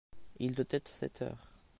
Il doit être sept heures.